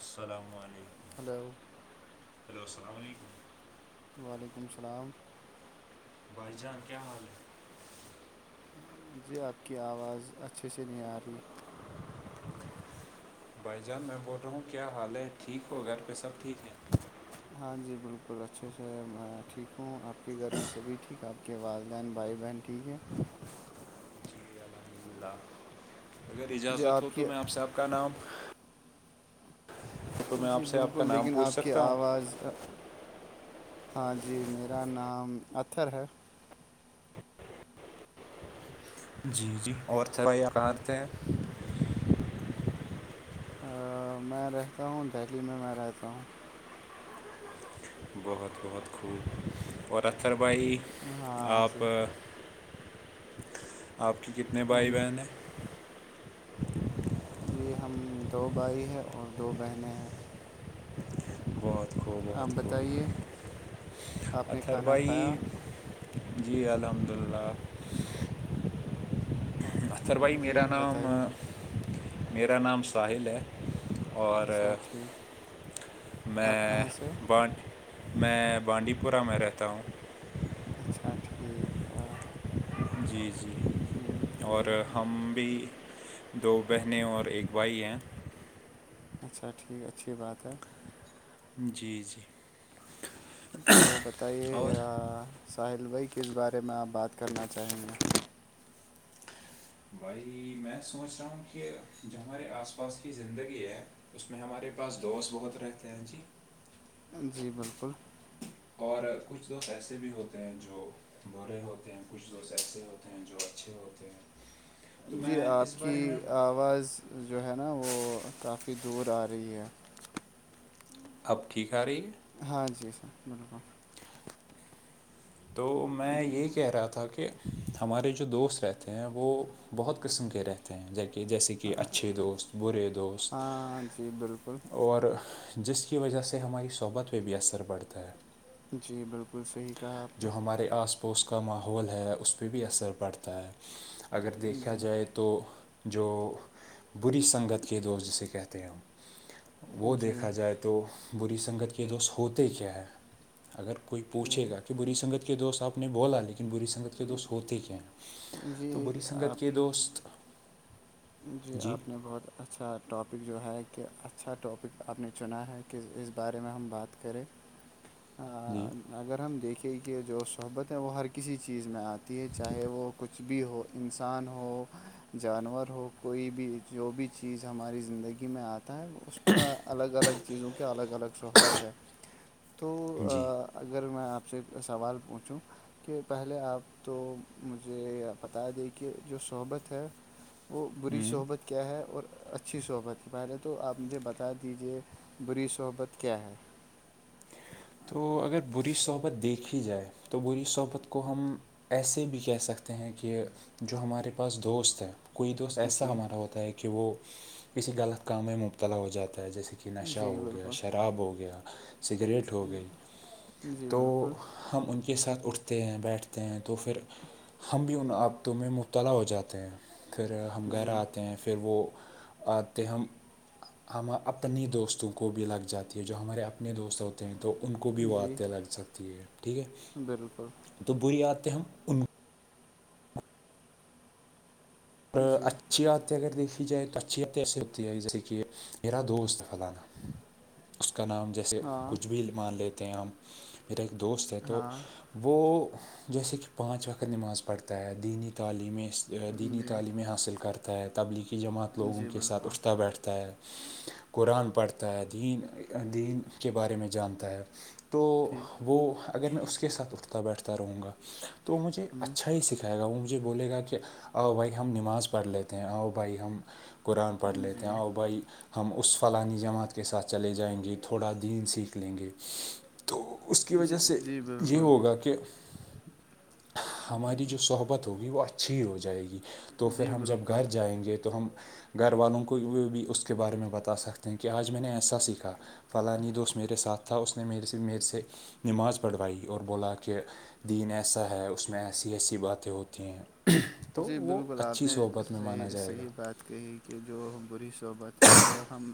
السلام علیکم hello- hello السلام علیکم- وعلیکم السلام- بھائی جان کیا حال ہے? جی آپ کی آواز اچھے سے نہیں آ رہی بھائی جان میں بول رہا ہوں کیا حال ہے, ٹھیک ہو گھر پہ سب ٹھیک ہیں- جی بالکل اچھے سے میں ٹھیک ہوں آپ کے گھر میں سبھی ٹھیک آپ? کے والدہین بھائی بہن ٹھیک ہے- جی الحمد للہ اگر جی اجازت ہو تو کی میں آپ صاحب کا نام? تو میں جی آپ سے آپ کا بالکل نام لیکن پوچھ آپ کی سکتا ہوں آواز ہاں جی میرا نام اطر ہے- جی- جی اور تھ بھائییاکار تھے- [unintelligible] میں رہتا ہوں دہلی میں میں رہتا ہوں- بہت- بہت خوب اور اتر بھائی ہاں جی آپ آپ کی کتنے بھائی ہم بہن ہیں? جی ہم دو بھائی ہیں اور دو بہنیں ہیں بہت خوب آپ بہت بتائیے? خوب آپ نے اطہر کھانا بھائی کھایا جی الحمد للہ [inaudible] اختر بھائی میرا جی نام بتائیے میرا نام ساحل ہے اور اچھا ٹھیک آپ میں کہاں سے میں بانڈی پورہ میں رہتا ہوں- اچھا ٹھیک ہے جی- جی اور ہم بھی- دو بہنیں اور ایک بھائی ہیں- اچھا ٹھیک اچھی بات ہے- جی- جی تو بتائیے اور ساحل وئی کس بارے میں آپ بات کرنا چاہیں گے- بھائی میں سوچ رہا ہوں کہ جو ہمارے آس پاس کی زندگی ہے اس میں ہمارے پاس دوست بہت رہتے ہیں جی جی بالکل- اور کچھ دوست ایسے بھی ہوتے ہیں جو برے ہوتے ہیں کچھ دوست ایسے ہوتے ہیں جو اچھے ہوتے ہیں تو جی میں اس آپ کی بارے میں آواز جو ہے نا وہ کافی دور آ رہی ہے- اب ٹھیک آ رہی ہے ہاں جی تو میں یہی کہہ رہا تھا کہ ہمارے جو دوست رہتے ہیں وہ بہت قسم کے رہتے ہیں- ہیں ج جیسے کہ اچھے دوست برے دوست ہاں جی بالکل اور جس کی وجہ سے ہماری صحبت پہ بھی اثر پڑتا ہے- جی بالکل صحیح کہا آپ نے جو ہمارے آس پوس کا ماحول ہے اس پہ بھی اثر پڑتا ہے اگر دیکھا جی جائے- تو جو بری سنگت کے دوست جسے کہتے ہیں ہم- وہ جی دیکھا جائے تو بری سنگت کے دوست ہوتے کیا ہیں- اگر کوئی پوچھ گا کہ ٹھیک بری سگت کے دوست آپ نے بولا لیکن بری سن- سنگت کے دوست ہوتے کیا ہیں تو جی بری آپ سنگت کے دوست جی آپ نے بہت ا اچھا ٹاپک جو ہے کہ اچھا ٹاپک آپ نے چنا ہے کہ اس بارے میں ہم بات کریں- آ، جی اگر ہم دیکھیں کہ جو صحبت ہے وہ ہر کسی چیز میں آتی ہے چاہے وہ کچھ کچھ بھی ہو انسان ہو جانور ہو کوئی بھی جو بھی چیز ہماری زندگی میں آتا ہے اس کا الگ الگ چیزوں کے الگ الگ صحبت ہے تو جی اگر میں آپ سے سوال پوچھوں کہ پہلے آپ تو مجھے بتا دیں کہ جو صحبت ہے وہ بری صحبت کیا ہے اور اچھی صحبت پہلے تو آپ مجھے بتا دیجیے بری صحبت کیا ہے تو اگر بری صحبت دیکھی جائے تو بری صحبت کو ہم ایسے بھی کہہ سکتے ہیں کہ جو ہمارے پاس دوست ہے کوئی دوست ایسا جی ہمارا ہوتا ہے کہ وہ کسی غلط کام میں مبتلا ہو جاتا ہے جیسے کہ نشہ جی ہو گیا بالکل شراب ہو گیا سگریٹ ہو گئی جی تو بالکل ہم ان کے ساتھ اٹھتے ہیں بیٹھتے ہیں تو پھر ہم بھی ان عابتوں میں مبتلا ہو جاتے ہیں پھر ہم گھر جی آتے ہیں پھر وہ آتے ہم ہم اپنی دوستوں کو بھی لگ جاتی ہے جو ہمارے اپنے دوست ہیں تو ان کو بھی وہ جی آتیں لگ جاتی ہیں ٹھیک ہے بالکل تو بری آدیں ہم ان کو جی اچھا اگر دیکھی جائے تو اچھیت ایسے ہوتی ہیں جیسے کہ میرا دوست ہے فلانا اس کا نام جیسے ہاں کچھ بھی مان لیتے ہیں ہم میرا ایک دوست ہے تو ہاں وہ جیسے کہ پانچ وقت نماز پڑھتا ہے دینی تعلیم دینی جی میں حاصل کرتا ہے تبلیغی جماعت لوگوں جی کے ساتھ بالکل اٹھتا بیٹھتا ہے قرآن پڑھتا ہے دین دین کے بارے میں جانتا ہے تو ٹھیک وہ اگر میں اس کے ساتھ اٹھتا بیٹھتا رہوں گا تو مجھے ہوں اچھا ہی سیکھ ائے گا وہ مجھے بولے گا کہ آؤ بھائی ہم نماز پڑھ لیتے ہیں آؤ بھائی ہم قرآن پڑھ لےتے جی آاں وہ بھائی ہم اس فلاانی جماعت کے ساتھ چلے جائیں گے تھوڑا دین سیکھ لیں گے تو اس کی جی وجہ سے جی یہ بالکل ہوگا کہ ہماری جو صحبت ہوگی وہ اچھی ہو جائے گی تو پھر جی ہم جب بالکل گھر جائیں گے تو ہم گھر والوں کو بھی اس کے بارے میں بتا سکتے ہیں کہ آج میں نے ایسا سیکھا فلاانی دوست میرے ساتھ تھا اس نے میرے سے میرے سے نماز پڑھوائی اور بولا کہ دین ایسا ہے اس میں ایسی ایسی باتیں ہوتی ہیں تو جی وہ بالکل آپ اچھی نے صحبت میں مانا صحیح جائے گا صحیح بات ہے کہ ہی کہ جو بری صحبت ہے وہ ہم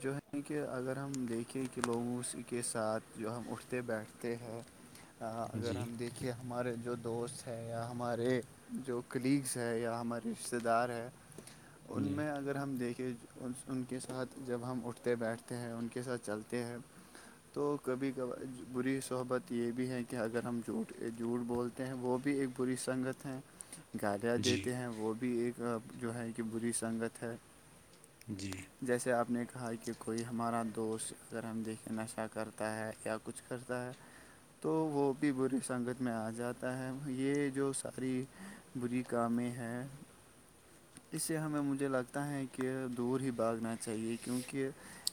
جو ہے کہ اگر ہم دیکھیں کہ لوگوں اسی کے ساتھ جو ہم اٹھتے بیٹھتے ہیں ج [inaudible] اگر ہم دیکھیے ہمارے جو دوست ہے یا ہمارے جو کلیگس ہے یا ہمارے رشتہ دار ہے ان جی میں اگر ہم دیکھیں ان کے ساتھ جب ہم اٹھتے بیٹھتے ہیں ان کے ساتھ چلتے ہیں تو کبھی کبھار بری صحبت یہ بھی ہے کہ اگر ہم جھوٹ جھوٹ بولتے ہیں وہ بھی ایک بری سنگت ہیں گالیاں جی دیتے ہیں وہ بھی ایک جو ہے کہ بری سنگت ہے جی جیسے آپ نے کہا کہ کوئی ہمارا دوست اگر ہم دیکھیں نشہ کرتا ہے یا کچھ کرتا ہے تو وہ بھی بری سنگت میں آ جاتا ہے یہ جو ساری بری کامیں ہیں اس سے ہمیں مجھے لگتا ہے کہ دور ہی بھاگنا چاہیے کیونکہ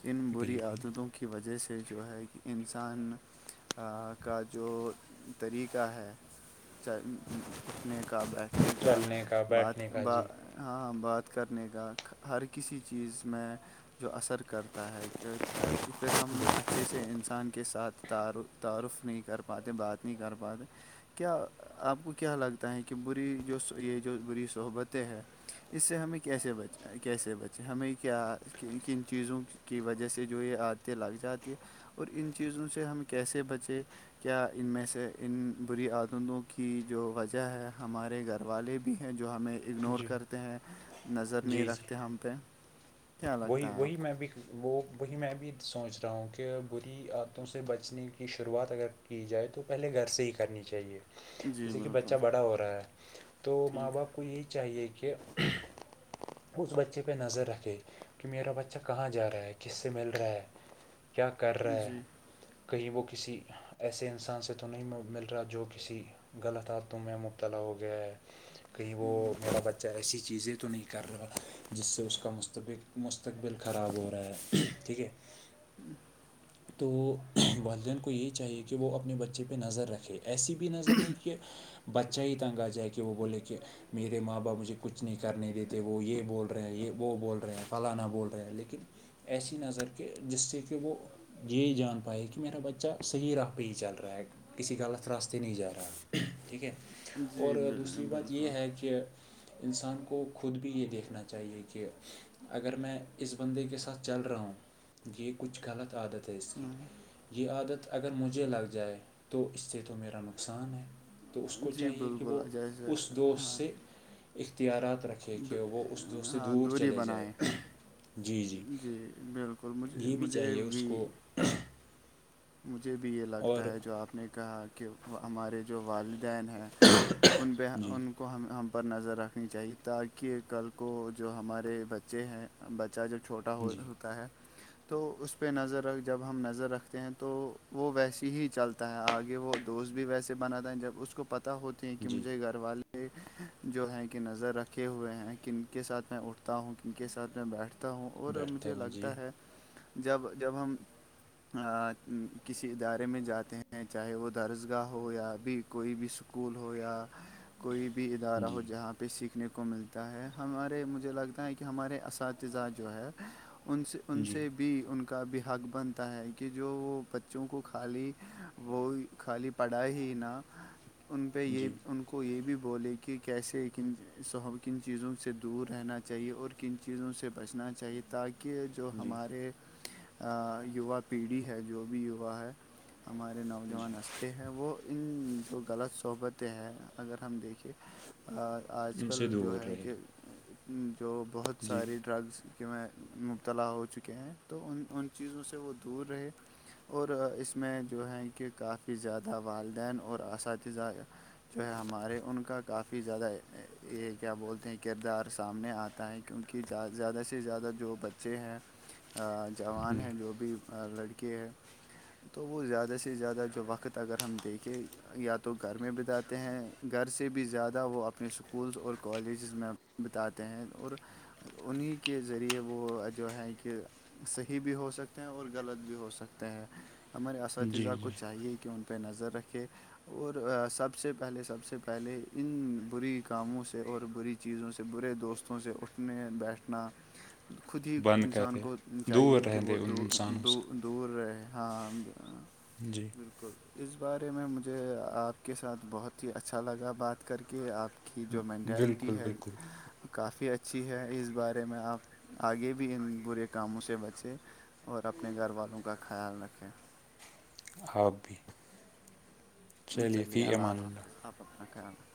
ان بری بالکل عادتوں کی وجہ سے جو ہے کہ انسان کا جو طریقہ ہے اٹھنے کا بیٹھ اپنے کا چلنے بات بیٹھنے کا ب جی ہاں بات کرنے کا ہر کسی چیز میں جو اثر کرتا ہے کہتا ہے کہ پھر ہم اچھے سے انسان کے ساتھ تعارف نہیں کر پاتے بات نہیں کر پاتے کیا آپ کو کیا لگتا تیں کہ بری جو یہ جو بری صحبتیں ہے اس سے ہمیں کیسے بچ کیسے بچے ہمیں کیا کن چیزوں کی وجہ سے جو یہ عتےیں لگ جاتی ہے اور ان چیزوں سے ہم کیسے بچیں کیا ان میں سے ان بری عادتوں کی جو وجہ ہے ہمارے گھر والے بھی ہیں جو ہمیں اگنور جی کرتے ہیں نظر نہیں جی جی رکھتے ہم پہ کیا وہی لگتا ہے وہی آپ کو میں بھی وہ وہی میں بھی سوچ رہا ہوں کہ بری عتوں سے بچنے کی شروعات اگر کی جائے تو پہلے گھر سے ہی کرنی چاہیے جی جیسے کہ بالکل بچہ بڑا ہو رہا ہے تو ماں ٹھیک باپ کو یہ چاہیے کہ اس بچے پہ نظر رکھے کہ میرا بچہ کہاں جا رہا ہے کس سے مل رہا ہے کیا کر رہا ہے جی کہیں وہ کسی ایسے انسان سے تو نہیں مل رہا جو کسی غلط حادتوں میں مبتلا ہو گیا ہے کہیں وہ میرا بچہ ایسی چیزیں تو نہیں کر رہا جس سے اس کا مستبق مستقبل خراب ہو رہا ہے ٹھیک ہے ہوں تو والدین کو یہ چاہیے کہ وہ اپنے بچے پہ نظر رکھے ایسی بھی نظر نہیں کہ بچہ ہی تنگ آ جائے کہ وہ بولے کہ میرے ماں باپ مجھے کچھ نہیں کرنے دیتے وہ یہ بول رہے ہیں یہ وہ بول رہے ہیں فلاں نہ بول رہے ہیں لیکن ایسی نظر کہ جس سے کہ وہ یہ جان پائے کہ میرا بچہ صحیح راہ پہ ہی چل رہا ہے کسی غلط راستے نہیں جا رہا ٹھیک ہے اور جی بال دوسری بات بالکل یہ ہے کہ انسان کو خود بھی یہ دیکھنا چاہیے کہ اگر میں اس بندے کے ساتھ چل رہا ہوں یہ کچھ غلط عادت ہے اس کی ہوں یہ عادت اگر مجھے لگ جائے تو اس سے تو میرا نقصان ہے تو اس کو جی چاہیے کہ بالکل وہ جیسے اس دوست ہاں سے اختیارات رکھیں کہ دو- وہ اس د سے ہاں دور دوری چلے جائے بنائیں جی بالکل مجھے یہ بھی مجھے چاہیے اس بھی کو مجھے بھی یہ اور لگتا ہے جو آپ نے کہا کہ وہ ہمارے جو والدین ہیں ان ب جی ان کو ہم ہم پر نظر رکھنی چاہیے تاکہ کل کو جو ہمارے بچے ہیں بچہ جب چھوٹا ہو جی ہوتا ہے تو اس پہ نظر جب ہم نظر رکھ ہیں تو وہ ویسی ہی چلتا ہے آگے وہ دوست بھی ویسے بناتا ہے جب اس کو پتتا ہوتا ت جی کہجے گھر والے جو ہیں کہ نظر رکھے ہوئے ہیں کن کے ساتھ میں اٹھتا ہوں کن کے ساتھ میں بیٹھتا ہوں اور بیٹھتا مجھے ہوں جی لگتا ہے جب جب ہم کسی ادارے میں جاتے ہیں چاہے وہ درسگاہ ہو یا ابھی کوئی بھی اسکول ہو یا کوئی بھی ادارہ ہو جی جہاںہ پہ سیکھنے کو ملتا ہے ہمارے مجھے لگتا ہے کہ ہمارے اساتذہ جو ہے ان سے ان جی سے بھی ان کا بحق بنتا ہے کہ جو وہ بچوں کو خالی وہ خالی پڑھا ہی نہ ان پہ یہ جی ان کو یہ بھی بولے کہ کیسے کن کن چیزوں سے دور رہنا چاہیے اور کن چیزوں سے بچنا چاہیے تاکہ جو جی ہمارے یووا پیڑھی ہے جو بھی یووا ہے ہمارے جی نوجوان اصلے ہیں وہ ان تو غلط صحبتیں ہیں اگر ہم دیکھے آج ان سے کل جو دور ہے رہے کہ جو بہت جی ساری ڈرگس کہ میں مبتلا ہو چکے ہیں تو ان ان چیزوں سے وہ دور رہے اور اس میں جو ہیں کہ کافی زیادہ والدین اور اساتذہ جو ہے ہمارے ان کا کافی زیادہ یہ کیا بولتے ہیں کردار سامنے آتا ہے کیونکہ زیادہ سے زیادہ جو بچے ہیں جوان جی ہیں جو بھی لڑکے ہے تو وہ زیادہ سے زیادہ جو وقت اگر ہم دیکھیں یا تو گھر میں بتاتے ہیں گھر سے بھی زیادہ وہ اپنے اسکولس اور کالجز میں بتاتے ہیں اور انہیں کے ذریعے وہ جو ہیں کہ صحیح بھی ہو سکتے ہیں اور غلط بھی ہو سکتے ہیں ہمارے جی اساتذہ جی کو چاہیے کہ ان پہ نظر رکھے اور سب سے پہلے سب سے پہلے ان بری کاموں سے اور بری چیزوں سے برے دوستوں سے اٹھنے بیٹھنا [inaudible] خود ہی بند کر انسان دے کو دور چاہیے کہ رہنے وہ دے ان دو انسانوں سے دور رہے ہاں جی بالکل اس بارے میں مجھے آپ کے ساتھ بہت ہی اچھا لگا بات کر کے آپ کی جو مینٹیلٹی بالکل ہے بالکل کافی اچھی ہے اس بارے میں آپ آگے بھی ان برے کاموں سے بچیں اور اپنے گھر والوں کا خیال رکھیں آپ بھی چلیے فی امان اللہ آپ اپنا خیال رکھ